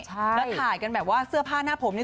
แล้วถ่ายกันแบบว่าเสื้อผ้าหน้าผมนี่